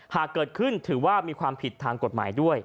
หากเกิดขึ้นถือว่ามีความผิดทางกฎหมายด้วย